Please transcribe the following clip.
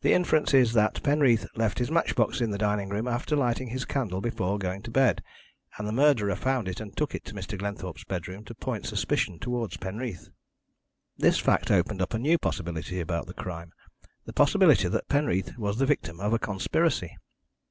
The inference is that Penreath left his match box in the dining room after lighting his candle before going to bed, and the murderer found it and took it into Mr. Glenthorpe's bedroom to point suspicion towards Penreath. "This fact opened up a new possibility about the crime the possibility that Penreath was the victim of a conspiracy.